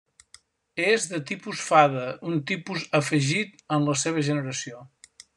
És de tipus fada, un tipus afegit en la seva generació.